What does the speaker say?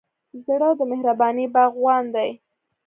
زړه د مهربانۍ باغوان دی.